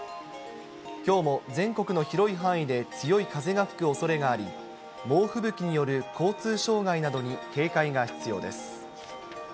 きょうも全国の広い範囲で強い風が吹くおそれがあり、猛吹雪による交通障害などに警戒が必要です。